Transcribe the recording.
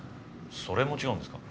それも違うんですか？